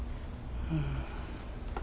うん。